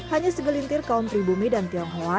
hanya segelintir kaum pribumi dan tionghoa